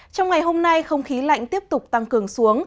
trong ngày hôm nay không khí lạnh tiếp tục tăng cường xuống